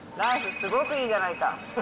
すごくいいじゃないか。